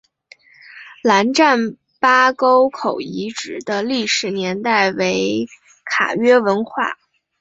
兰占巴沟口遗址的历史年代为卡约文化。